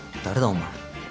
誰だお前。